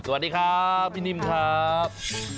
สวัสดีครับพี่นิ่มครับ